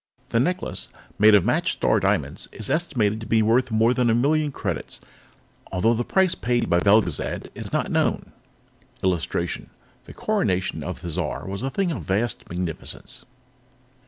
The necklace, made of matched Star Diamonds, is estimated to be worth more than a million credits, although the price paid by Belgezad is not known. [Illustration: The coronation on Thizar was a thing of vast magnificence.